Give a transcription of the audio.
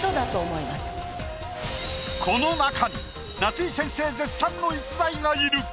この中に夏井先生絶賛の逸材がいる。